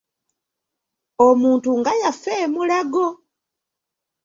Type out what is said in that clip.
Omuntu nga yafa e Mulago!